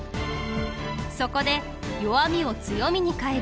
そこで「弱みを強みに変える」